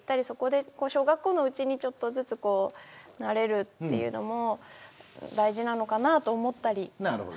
そこで小学校のうちにちょっとずつ慣れるというのも大事なのかなと思ったり。